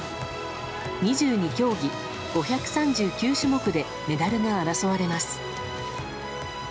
２２競技５３９種目でメダルが争われます。